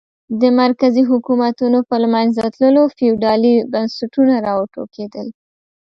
د مرکزي حکومتونو په له منځه تلو فیوډالي بنسټونه را وټوکېدل.